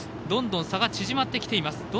どんどん差が縮まってきています。